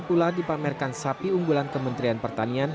pula dipamerkan sapi unggulan kementerian pertanian